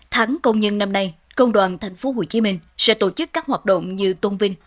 tháng công nhân năm nay công đoàn tp hcm sẽ tổ chức các hoạt động như tôn vinh